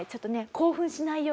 興奮しないように。